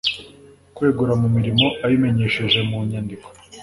kwegura ku mirimo abimenyesheje mu nyandiko